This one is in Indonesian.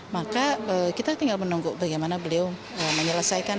maka kita tinggal menunggu bagaimana beliau menyelesaikan